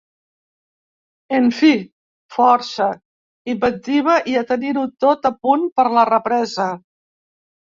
En fi: força, inventiva i a tenir-ho tot a punt per la represa.